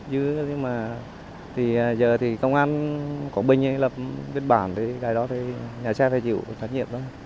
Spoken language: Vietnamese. nhưng mà thì giờ thì công an quảng bình ấy lập biên bản thì cái đó thì nhà xe phải chịu thất nhiệm thôi